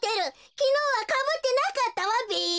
きのうはかぶってなかったわべ。